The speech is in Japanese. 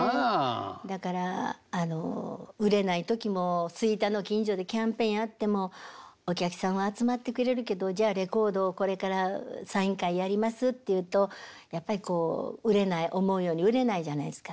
だからあの売れない時も吹田の近所でキャンペーンやってもお客さんは集まってくれるけど「じゃあレコードをこれからサイン会やります」って言うとやっぱり売れない思うように売れないじゃないですか。